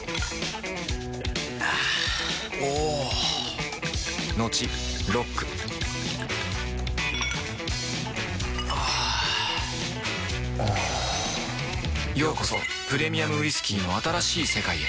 あぁおぉトクトクあぁおぉようこそプレミアムウイスキーの新しい世界へ